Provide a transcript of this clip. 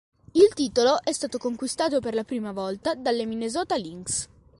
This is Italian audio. Il titolo è stato conquistato per la prima volta dalle Minnesota Lynx.